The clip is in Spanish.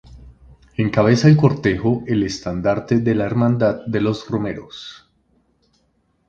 Encabeza el Cortejo el Estandarte de la Hermandad de Romeros.